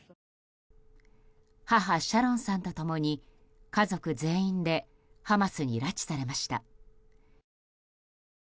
母シャロンさんと共に家族全員でハマスに拉致されました。